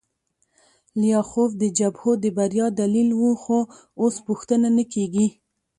لیاخوف د جبهو د بریا دلیل و خو اوس پوښتنه نه کیږي